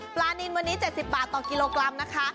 ปลานินวันนี้๗๐บาทต่อกิโลกรัมนะคะ